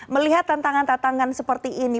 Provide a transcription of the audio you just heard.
melihat tantangan tantangan seperti ini